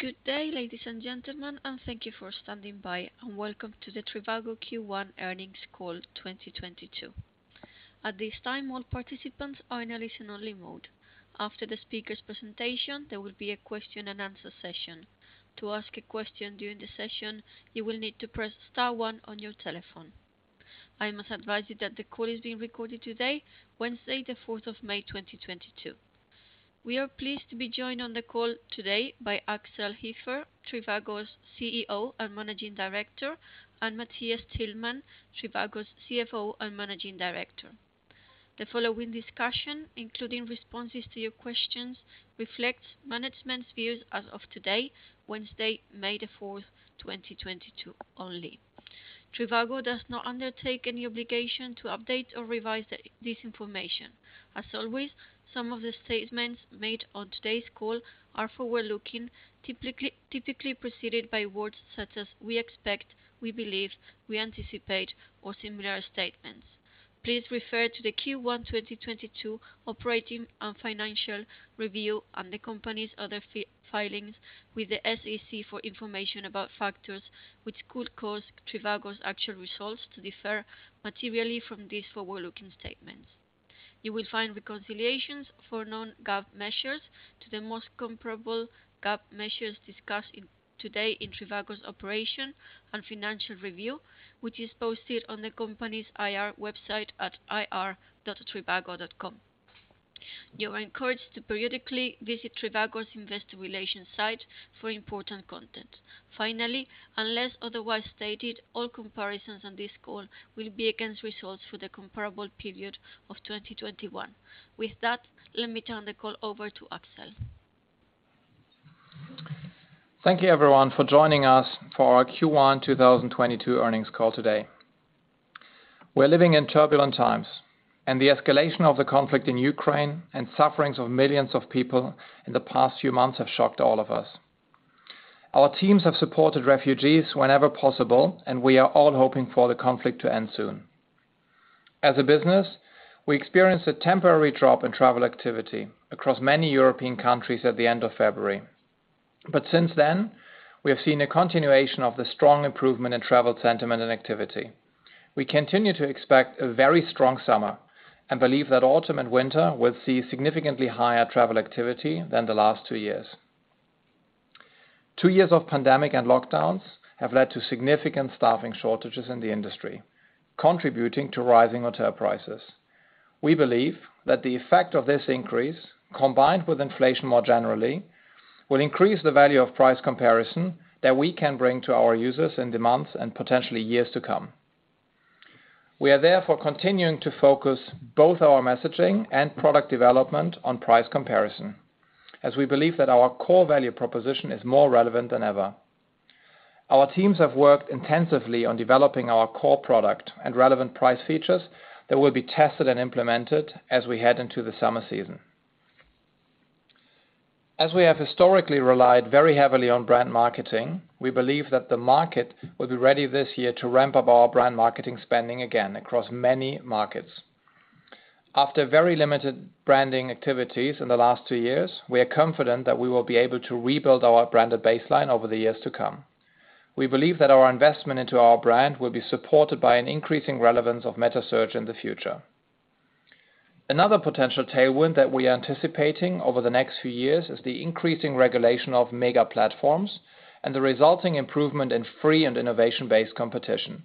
Good day, ladies and gentlemen, and thank you for standing by, and welcome to the trivago Q1 earnings call 2022. At this time, all participants are in a listen only mode. After the speaker's presentation, there will be a question and answer session. To ask a question during the session, you will need to press star one on your telephone. I must advise you that the call is being recorded today, Wednesday, the 4th of May, 2022. We are pleased to be joined on the call today by Axel Hefer, trivago's CEO and Managing Director, and Matthias Tillmann, trivago's CFO and Managing Director. The following discussion, including responses to your questions, reflects management's views as of today, Wednesday, May the 4th, 2022 only. trivago does not undertake any obligation to update or revise this information. As always, some of the statements made on today's call are forward-looking, typically preceded by words such as we expect, we believe, we anticipate or similar statements. Please refer to the Q1 2022 operating and financial review and the company's other filings with the SEC for information about factors which could cause trivago's actual results to differ materially from these forward-looking statements. You will find reconciliations for non-GAAP measures to the most comparable GAAP measures discussed today in trivago's operating and financial review, which is posted on the company's IR website at ir.trivago.com. You are encouraged to periodically visit trivago's investor relations site for important content. Finally, unless otherwise stated, all comparisons on this call will be against results for the comparable period of 2021. With that, let me turn the call over to Axel. Thank you everyone for joining us for our Q1 2022 earnings call today. We're living in turbulent times, and the escalation of the conflict in Ukraine and sufferings of millions of people in the past few months have shocked all of us. Our teams have supported refugees whenever possible, and we are all hoping for the conflict to end soon. As a business, we experienced a temporary drop in travel activity across many European countries at the end of February. Since then, we have seen a continuation of the strong improvement in travel sentiment and activity. We continue to expect a very strong summer and believe that autumn and winter will see significantly higher travel activity than the last two years. Two years of pandemic and lockdowns have led to significant staffing shortages in the industry, contributing to rising hotel prices. We believe that the effect of this increase, combined with inflation more generally, will increase the value of price comparison that we can bring to our users in the months and potentially years to come. We are therefore continuing to focus both our messaging and product development on price comparison, as we believe that our core value proposition is more relevant than ever. Our teams have worked intensively on developing our core product and relevant price features that will be tested and implemented as we head into the summer season. As we have historically relied very heavily on brand marketing, we believe that the market will be ready this year to ramp up our brand marketing spending again across many markets. After very limited branding activities in the last two years, we are confident that we will be able to rebuild our branded baseline over the years to come. We believe that our investment into our brand will be supported by an increasing relevance of meta search in the future. Another potential tailwind that we are anticipating over the next few years is the increasing regulation of mega platforms and the resulting improvement in free and innovation-based competition.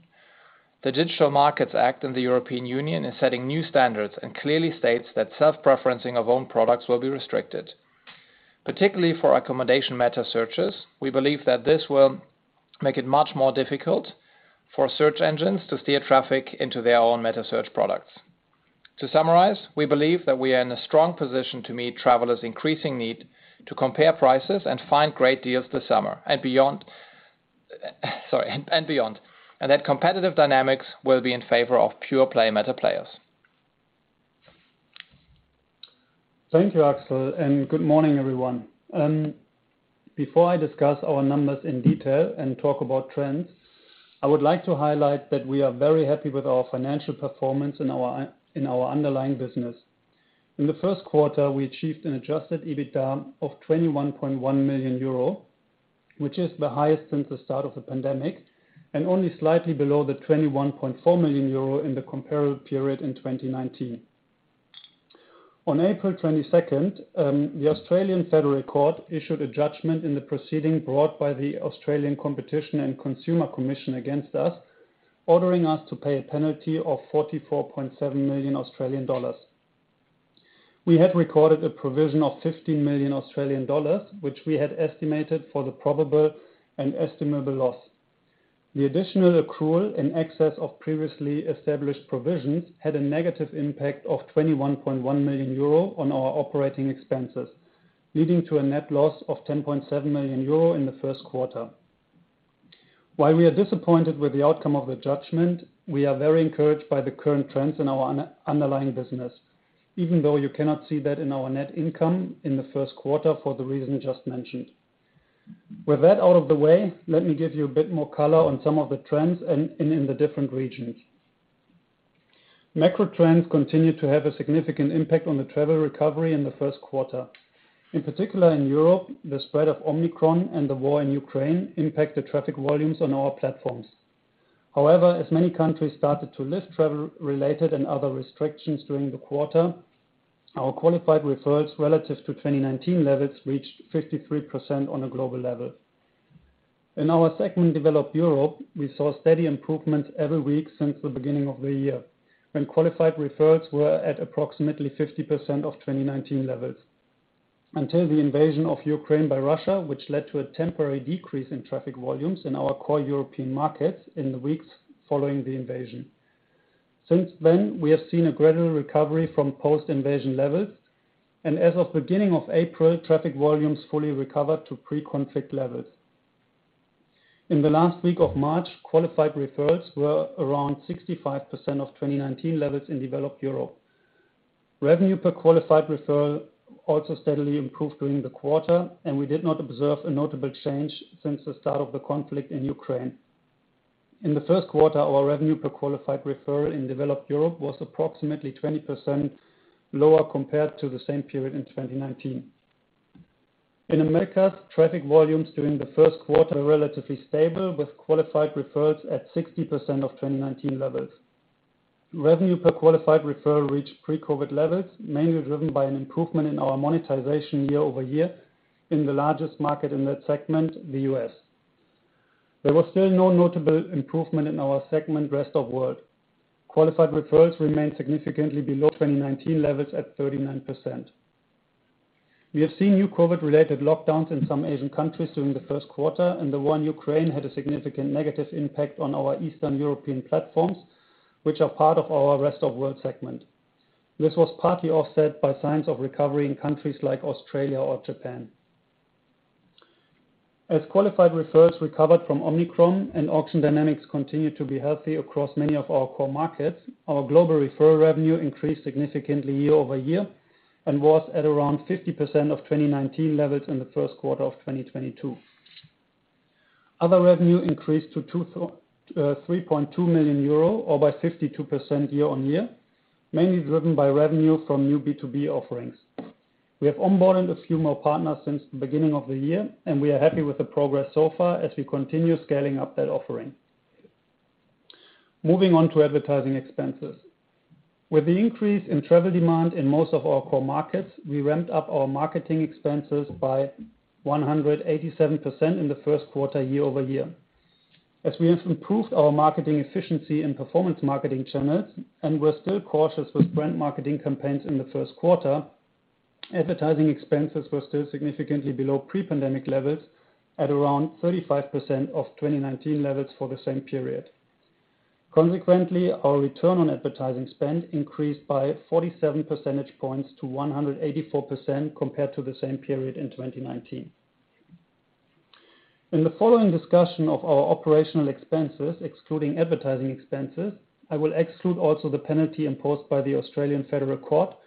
The Digital Markets Act in the European Union is setting new standards and clearly states that self-preferencing of own products will be restricted. Particularly for accommodation meta searches, we believe that this will make it much more difficult for search engines to steer traffic into their own meta search products. To summarize, we believe that we are in a strong position to meet travelers' increasing need to compare prices and find great deals this summer and beyond, and that competitive dynamics will be in favor of pure play meta players. Thank you, Axel, and good morning, everyone. Before I discuss our numbers in detail and talk about trends, I would like to highlight that we are very happy with our financial performance in our underlying business. In the first quarter, we achieved an adjusted EBITDA of 21.1 million euro, which is the highest since the start of the pandemic and only slightly below the 21.4 million euro in the comparable period in 2019. On April 22nd, the Federal Court of Australia issued a judgment in the proceeding brought by the Australian Competition and Consumer Commission against us, ordering us to pay a penalty of 44.7 million Australian dollars. We had recorded a provision of 15 million Australian dollars, which we had estimated for the probable and estimable loss. The additional accrual in excess of previously established provisions had a negative impact of 21.1 million euro on our operating expenses, leading to a net loss of 10.7 million euro in the first quarter. While we are disappointed with the outcome of the judgment, we are very encouraged by the current trends in our underlying business, even though you cannot see that in our net income in the first quarter for the reason just mentioned. With that out of the way, let me give you a bit more color on some of the trends and in the different regions. Macro trends continue to have a significant impact on the travel recovery in the first quarter. In particular, in Europe, the spread of Omicron and the war in Ukraine impacted traffic volumes on our platforms. However, as many countries started to lift travel-related and other restrictions during the quarter, our qualified referrals relative to 2019 levels reached 53% on a global level. In our segment Developed Europe, we saw steady improvements every week since the beginning of the year, when qualified referrals were at approximately 50% of 2019 levels, until the invasion of Ukraine by Russia, which led to a temporary decrease in traffic volumes in our core European markets in the weeks following the invasion. Since then, we have seen a gradual recovery from post-invasion levels, and as of beginning of April, traffic volumes fully recovered to pre-conflict levels. In the last week of March, qualified referrals were around 65% of 2019 levels in Developed Europe. Revenue per Qualified Referral also steadily improved during the quarter, and we did not observe a notable change since the start of the conflict in Ukraine. In the first quarter, our Revenue per Qualified Referral in Developed Europe was approximately 20% lower compared to the same period in 2019. In Americas, traffic volumes during the first quarter were relatively stable, with Qualified Referrals at 60% of 2019 levels. Revenue per Qualified Referral reached pre-COVID levels, mainly driven by an improvement in our monetization year-over-year in the largest market in that segment, the U.S. There was still no notable improvement in our segment Rest of World. Qualified Referrals remained significantly below 2019 levels at 39%. We have seen new COVID-related lockdowns in some Asian countries during the first quarter, and the war in Ukraine had a significant negative impact on our Eastern European platforms, which are part of our Rest of World segment. This was partly offset by signs of recovery in countries like Australia or Japan. As qualified referrals recovered from Omicron and auction dynamics continued to be healthy across many of our core markets, our global referral revenue increased significantly year-over-year and was at around 50% of 2019 levels in the first quarter of 2022. Other revenue increased to 3.2 million euro or by 52% year-on-year, mainly driven by revenue from new B2B offerings. We have onboarded a few more partners since the beginning of the year, and we are happy with the progress so far as we continue scaling up that offering. Moving on to advertising expenses. With the increase in travel demand in most of our core markets, we ramped up our marketing expenses by 187% in the first quarter year-over-year. As we have improved our marketing efficiency and performance marketing channels and were still cautious with brand marketing campaigns in the first quarter, advertising expenses were still significantly below pre-pandemic levels at around 35% of 2019 levels for the same period. Consequently, our return on advertising spend increased by 47 percentage points to 184% compared to the same period in 2019. In the following discussion of our operational expenses, excluding advertising expenses, I will exclude also the penalty imposed by the Federal Court of Australia,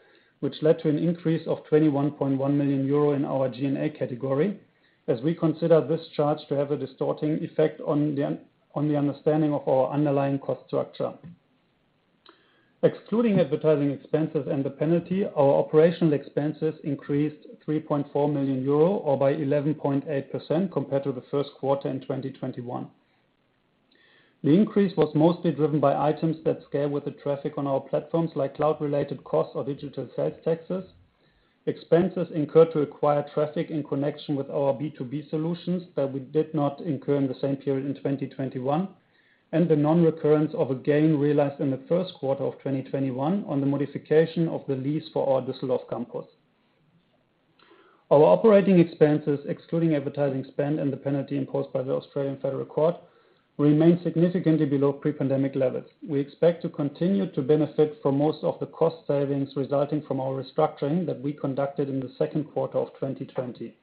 which led to an increase of 21.1 million euro in our G&A category, as we consider this charge to have a distorting effect on the understanding of our underlying cost structure. Excluding advertising expenses and the penalty, our operational expenses increased 3.4 million euro or by 11.8% compared to the first quarter in 2021. The increase was mostly driven by items that scale with the traffic on our platforms, like cloud-related costs or digital sales taxes, expenses incurred to acquire traffic in connection with our B2B solutions that we did not incur in the same period in 2021, and the non-recurrence of a gain realized in the first quarter of 2021 on the modification of the lease for our Düsseldorf campus. Our operating expenses, excluding advertising spend and the penalty imposed by the Federal Court of Australia, remain significantly below pre-pandemic levels. We expect to continue to benefit from most of the cost savings resulting from our restructuring that we conducted in the second quarter of 2020.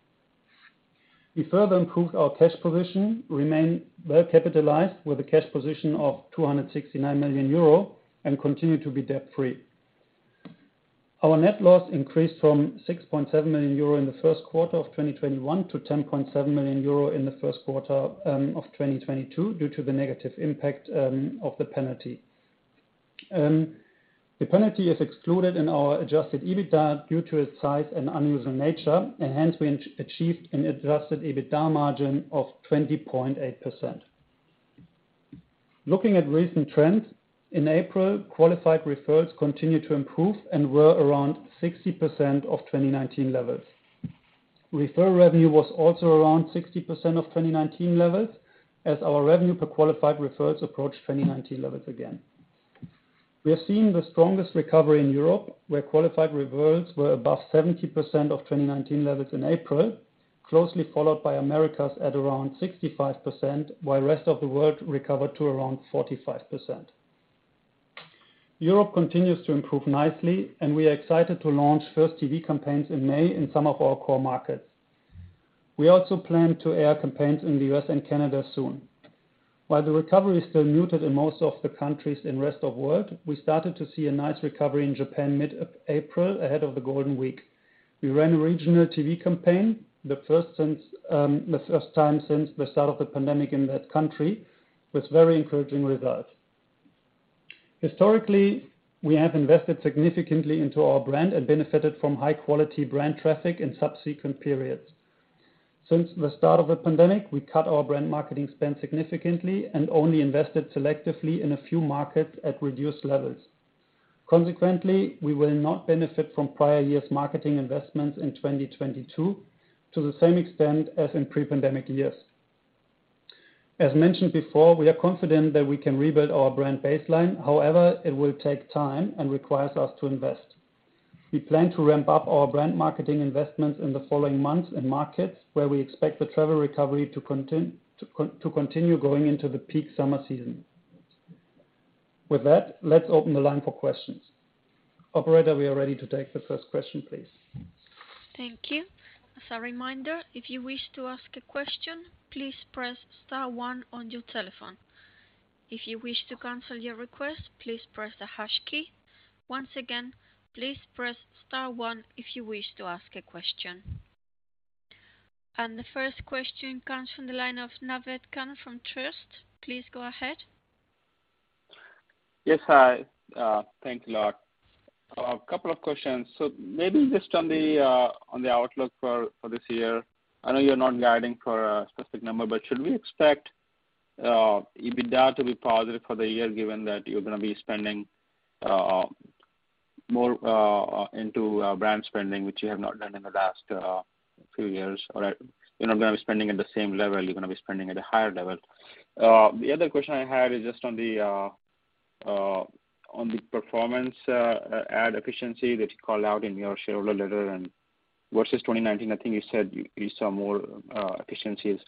We further improved our cash position, remain well capitalized with a cash position of 269 million euro and continue to be debt-free. Our net loss increased from 6.7 million euro in the first quarter of 2021 to 10.7 million euro in the first quarter of 2022 due to the negative impact of the penalty. The penalty is excluded in our adjusted EBITDA due to its size and unusual nature, and hence we achieved an adjusted EBITDA margin of 20.8%. Looking at recent trends, in April, qualified referrals continued to improve and were around 60% of 2019 levels. Referral revenue was also around 60% of 2019 levels as our revenue per qualified referrals approached 2019 levels again. We are seeing the strongest recovery in Europe, where qualified referrals were above 70% of 2019 levels in April, closely followed by Americas at around 65%, while Rest of the World recovered to around 45%. Europe continues to improve nicely, and we are excited to launch first TV campaigns in May in some of our core markets. We also plan to air campaigns in the U.S. and Canada soon. While the recovery is still muted in most of the countries in Rest of World, we started to see a nice recovery in Japan mid-April ahead of the Golden Week. We ran a regional TV campaign, the first time since the start of the pandemic in that country, with very encouraging results. Historically, we have invested significantly into our brand and benefited from high quality brand traffic in subsequent periods. Since the start of the pandemic, we cut our brand marketing spend significantly and only invested selectively in a few markets at reduced levels. Consequently, we will not benefit from prior years marketing investments in 2022 to the same extent as in pre-pandemic years. As mentioned before, we are confident that we can rebuild our brand baseline. However, it will take time and requires us to invest. We plan to ramp up our brand marketing investments in the following months in markets where we expect the travel recovery to continue going into the peak summer season. With that, let's open the line for questions. Operator, we are ready to take the first question, please. Thank you. As a reminder, if you wish to ask a question, please press star one on your telephone. If you wish to cancel your request, please press the hash key. Once again, please press star one if you wish to ask a question. The first question comes from the line of Naved Khan from Truist. Please go ahead. Yes, hi. Thank you a lot. A couple of questions. Maybe just on the outlook for this year. I know you're not guiding for a specific number, but should we expect EBITDA to be positive for the year, given that you're gonna be spending more into brand spending which you have not done in the last few years? You're not gonna be spending at the same level, you're gonna be spending at a higher level. The other question I had is just on the performance ad efficiency that you called out in your shareholder letter and versus 2019, I think you said you saw more efficiencies.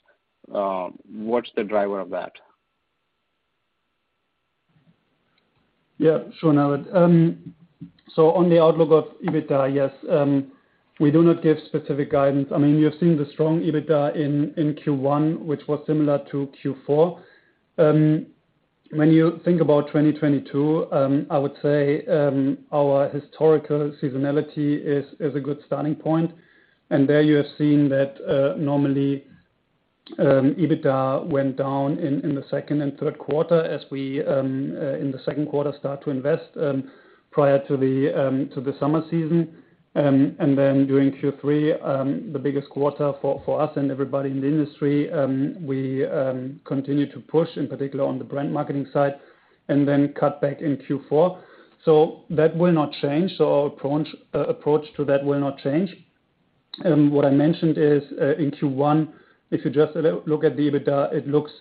What's the driver of that? Yeah, sure, Naved. On the outlook of EBITDA, yes, we do not give specific guidance. I mean, you have seen the strong EBITDA in Q1, which was similar to Q4. When you think about 2022, I would say our historical seasonality is a good starting point. There you have seen that normally EBITDA went down in the second and third quarter as we in the second quarter start to invest prior to the summer season. During Q3, the biggest quarter for us and everybody in the industry, we continue to push, in particular on the brand marketing side, and then cut back in Q4. That will not change. Our approach to that will not change. What I mentioned is, in Q1, if you just look at the EBITDA, it looks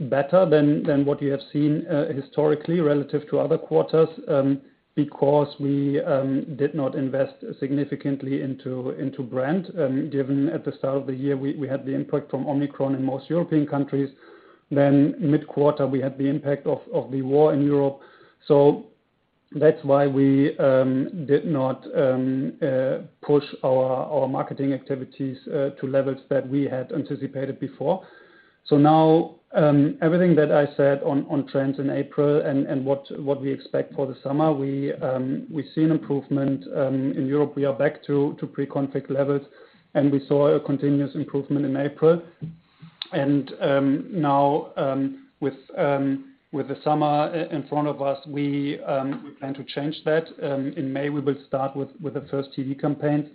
better than what you have seen historically relative to other quarters, because we did not invest significantly into brand. Given at the start of the year, we had the impact from Omicron in most European countries. Mid-quarter, we had the impact of the war in Europe. That's why we did not push our marketing activities to levels that we had anticipated before. Now, everything that I said on trends in April and what we expect for the summer, we see an improvement in Europe. We are back to pre-COVID levels, and we saw a continuous improvement in April. Now, with the summer in front of us, we plan to change that. In May, we will start with the first TV campaign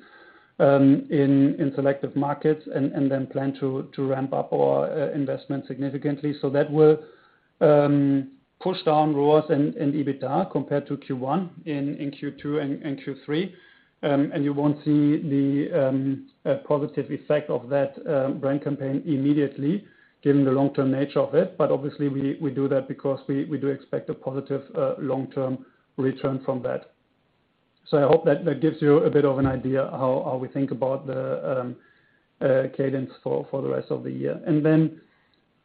in selective markets and then plan to ramp up our investment significantly. That will push down ROAS and EBITDA compared to Q1 in Q2 and Q3. You won't see the positive effect of that brand campaign immediately given the long-term nature of it. Obviously we do that because we do expect a positive long-term return from that. I hope that gives you a bit of an idea how we think about the cadence for the rest of the year. Then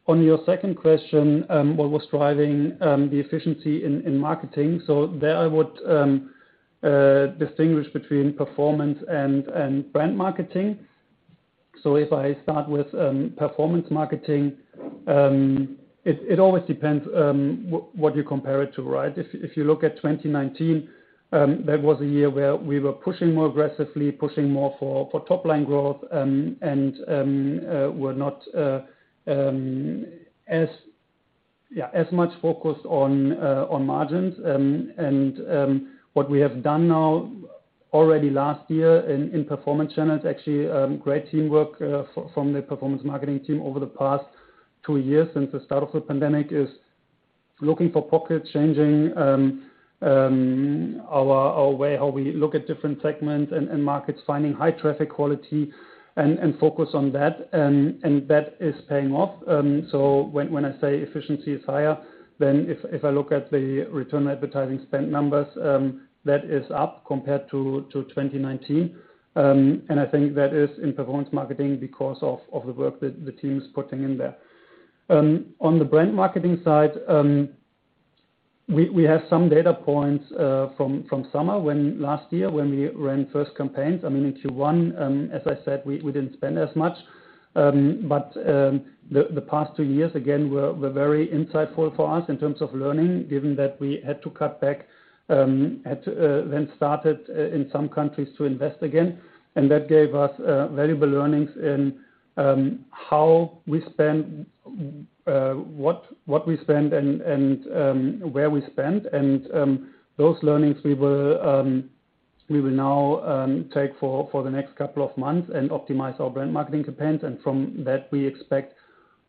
on your second question, what was driving the efficiency in marketing? There I would distinguish between performance and brand marketing. If I start with performance marketing, it always depends what you compare it to, right? If you look at 2019, that was a year where we were pushing more aggressively, pushing more for top line growth, and we're not as much focused on margins. What we have done now already last year in performance channels, actually, great teamwork from the performance marketing team over the past two years since the start of the pandemic, is looking for pockets, changing our way how we look at different segments and markets, finding high traffic quality and focus on that. That is paying off. When I say efficiency is higher, then if I look at the return on advertising spend numbers, that is up compared to 2019. I think that is in performance marketing because of the work that the team's putting in there. On the brand marketing side, we have some data points from summer last year when we ran first campaigns. I mean, in Q1, as I said, we didn't spend as much. The past two years again were very insightful for us in terms of learning, given that we had to cut back, then started in some countries to invest again, and that gave us valuable learnings in how we spend, what we spend and where we spend. Those learnings we will now take for the next couple of months and optimize our brand marketing campaigns. From that, we expect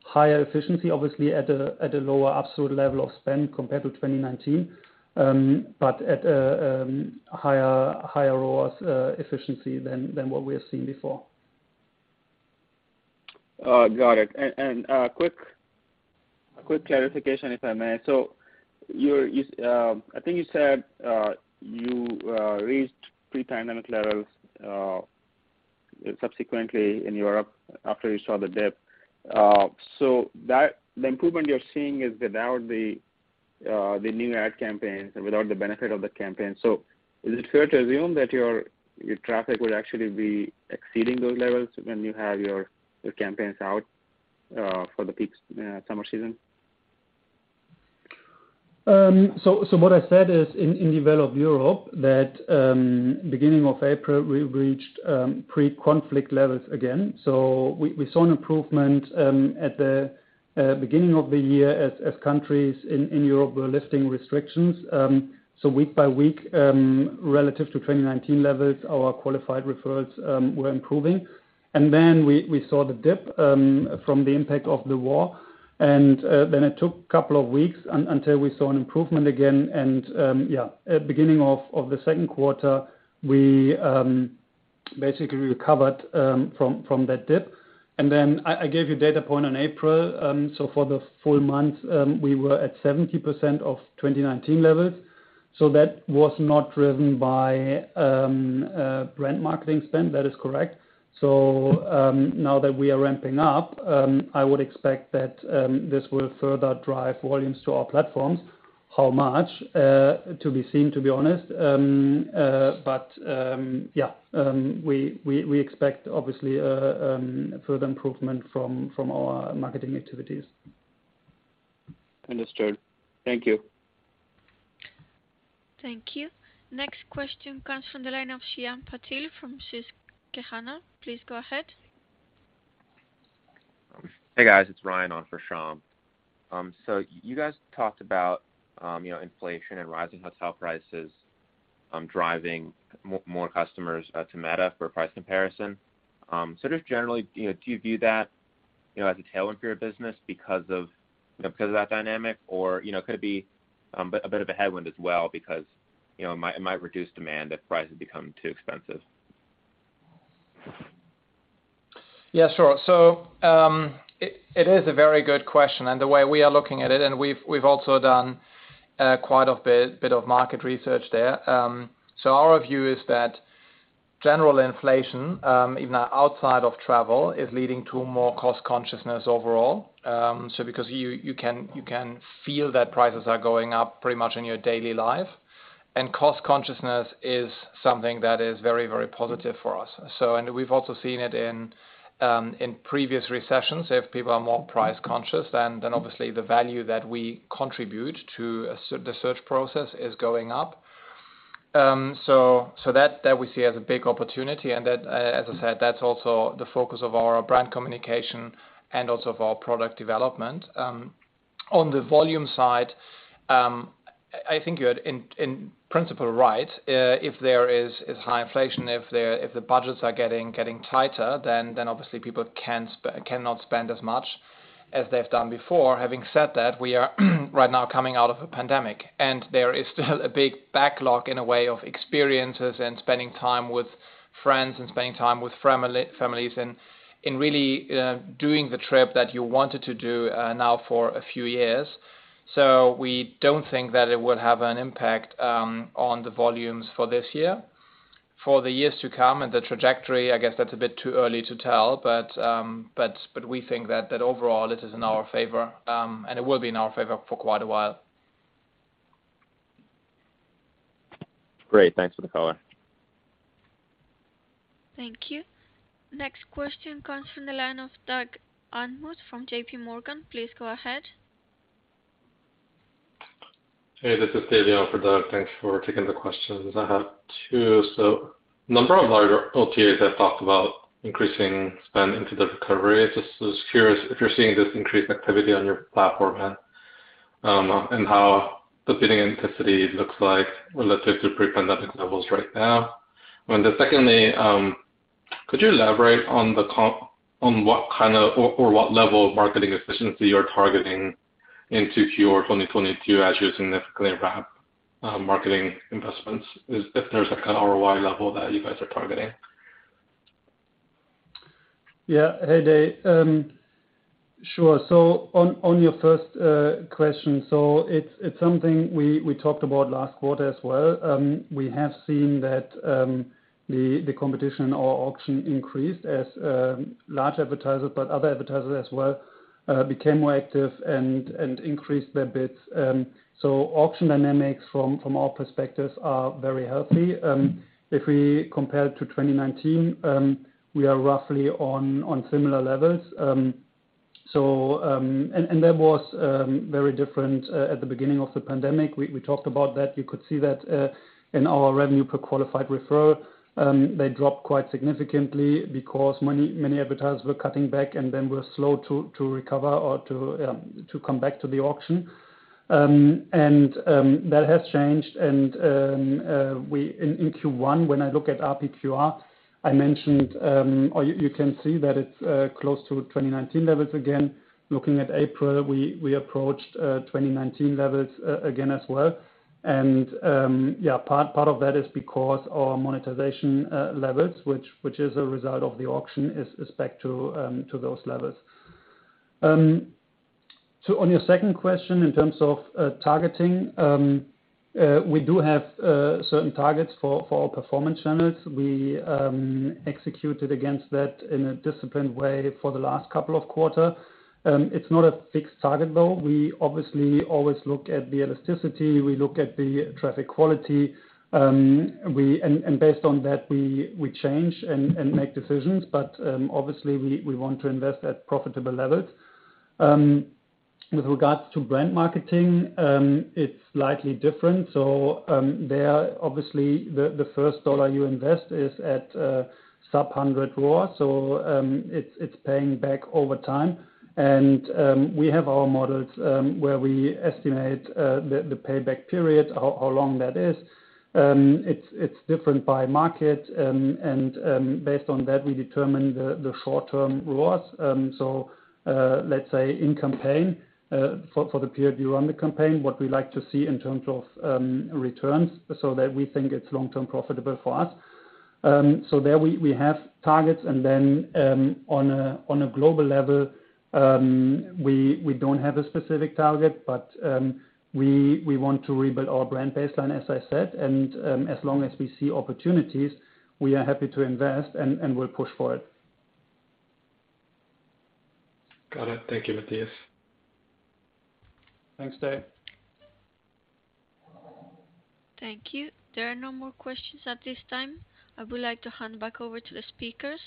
higher efficiency, obviously at a lower absolute level of spend compared to 2019. At higher ROAS efficiency than what we have seen before. Got it. Quick clarification if I may. I think you said you reached pre-pandemic levels subsequently in Europe after you saw the dip. The improvement you're seeing is without the new ad campaigns and without the benefit of the campaign. Is it fair to assume that your traffic would actually be exceeding those levels when you have your campaigns out for the peak summer season? What I said is in developed Europe that beginning of April we reached pre-conflict levels again. We saw an improvement at the beginning of the year as countries in Europe were lifting restrictions. Week by week relative to 2019 levels, our Qualified Referrals were improving. Then we saw the dip from the impact of the war. Then it took couple of weeks until we saw an improvement again. At beginning of the second quarter, we basically recovered from that dip. Then I gave you data point on April. For the full month, we were at 70% of 2019 levels, so that was not driven by brand marketing spend. That is correct. Now that we are ramping up, I would expect that this will further drive volumes to our platforms. How much? To be seen, to be honest. Yeah, we expect obviously further improvement from our marketing activities. Understood. Thank you. Thank you. Next question comes from the line of Shyam Patil from Susquehanna. Please go ahead. Hey, guys, it's Ryan on for Shyam. You guys talked about, you know, inflation and rising hotel prices driving more customers to meta for price comparison. Just generally, you know, do you view that, you know, as a tailwind for your business because of, you know, because of that dynamic? You know, could it be a bit of a headwind as well because, you know, it might reduce demand if prices become too expensive? Yeah, sure. It is a very good question and the way we are looking at it, and we've also done quite a bit of market research there. Our view is that general inflation, even outside of travel, is leading to more cost consciousness overall. Because you can feel that prices are going up pretty much in your daily life. Cost consciousness is something that is very positive for us. We've also seen it in previous recessions. If people are more price conscious, then obviously the value that we contribute to the search process is going up. That we see as a big opportunity. That, as I said, is also the focus of our brand communication and also of our product development. On the volume side, I think you're in principle right. If there is high inflation, if the budgets are getting tighter, then obviously people cannot spend as much as they've done before. Having said that, we are right now coming out of a pandemic and there is still a big backlog in a way of experiences and spending time with friends and spending time with families and really doing the trip that you wanted to do now for a few years. We don't think that it will have an impact on the volumes for this year. For the years to come and the trajectory, I guess that's a bit too early to tell, but we think that overall this is in our favor, and it will be in our favor for quite a while. Great. Thanks for the color. Thank you. Next question comes from the line of Doug Anmuth from JPMorgan. Please go ahead. Hey, this is Dae in for Doug. Thanks for taking the questions. I have two. Number of larger OTAs have talked about increasing spend into the recovery. Just was curious if you're seeing this increased activity on your platform, and and how the bidding intensity looks like relative to pre-pandemic levels right now. Secondly, could you elaborate on what kind of or what level of marketing efficiency you're targeting into Q1 2022 as you significantly ramp marketing investments. If there's like an ROI level that you guys are targeting. Yeah. Hey, Dae. Sure. On your first question, it's something we talked about last quarter as well. We have seen that the competition or auction increased as large advertisers, but other advertisers as well, became more active and increased their bids. Auction dynamics from our perspectives are very healthy. If we compare to 2019, we are roughly on similar levels. That was very different at the beginning of the pandemic. We talked about that. You could see that in our Revenue per Qualified Referral. They dropped quite significantly because many advertisers were cutting back and then were slow to recover or to come back to the auction. That has changed in Q1, when I look at RPQR. I mentioned, or you can see that it's close to 2019 levels again. Looking at April, we approached 2019 levels again as well. Part of that is because our monetization levels, which is a result of the auction, is back to those levels. On your second question, in terms of targeting, we do have certain targets for our performance channels. We executed against that in a disciplined way for the last couple of quarters. It's not a fixed target though. We obviously always look at the elasticity, we look at the traffic quality. Based on that, we change and make decisions. Obviously we want to invest at profitable levels. With regards to brand marketing, it's slightly different. There obviously the first dollar you invest is at a sub-100 ROAS, so it's paying back over time. We have our models where we estimate the payback period, how long that is. It's different by market, and based on that, we determine the short-term ROAS. Let's say in campaign for the period you run the campaign, what we like to see in terms of returns so that we think it's long-term profitable for us. There we have targets. On a global level, we don't have a specific target, but we want to rebuild our brand baseline, as I said. As long as we see opportunities, we are happy to invest and we'll push for it. Got it. Thank you, Matthias. Thanks, Dae. Thank you. There are no more questions at this time. I would like to hand back over to the speakers.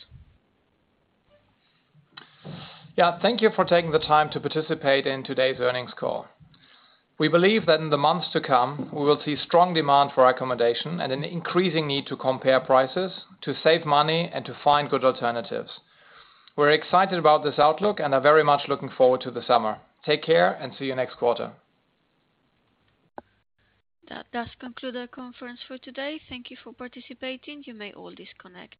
Yeah. Thank you for taking the time to participate in today's earnings call. We believe that in the months to come, we will see strong demand for accommodation and an increasing need to compare prices to save money and to find good alternatives. We're excited about this outlook and are very much looking forward to the summer. Take care and see you next quarter. That does conclude our conference for today. Thank you for participating. You may all disconnect.